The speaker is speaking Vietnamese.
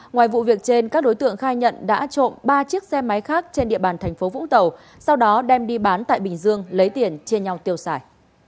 ngoài vụ việc trên các đối tượng khai nhận đã trộm ba chiếc xe máy khác trên địa bàn thành phố vũng tàu sau đó đem đi bán tại bình dương lấy tiền chia nhau tiêu xài